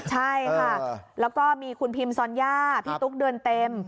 ใช่ค่ะแล้วก็มีคุณพิมซอนย่าพี่ตุ๊กเดินเต็ม